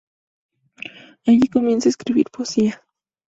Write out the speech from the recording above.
Allí comienza a escribir poesía.